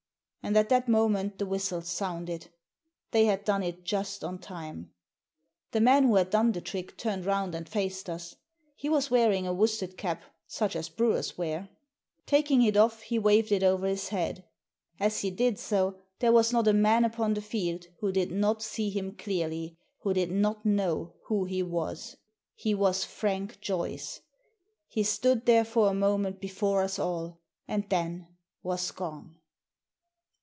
And at that moment the whistle sounded — they had done it just on time ! The man who had done the trick turned round and faced us. He was wearing a worsted cap, such as brewers wear. Taking it off", he waved it over his head. As he did so there was not a man upon the field who did not see him clearly, who did not know who he was. He was Frank Joyce ! He stood there for a moment before us all, and then was gone.